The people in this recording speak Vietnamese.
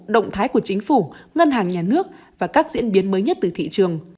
động thái của chính phủ ngân hàng nhà nước và các diễn biến mới nhất từ thị trường